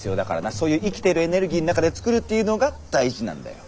そういう「生きてるエネルギー」の中で作るっていうのが大事なんだよ。